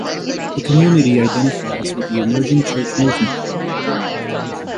The community identifies with the Emerging Church movement.